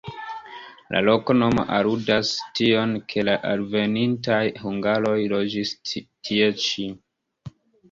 La loknomo aludas tion, ke la alvenintaj hungaroj loĝis tie ĉi.